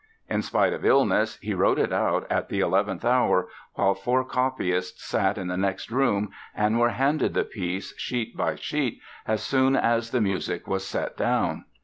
In spite of illness he wrote it out at the eleventh hour, while four copyists sat in the next room and were handed the piece, sheet by sheet, as soon as the music was set down.